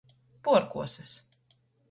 Puorkuosys.